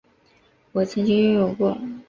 我曾经拥有过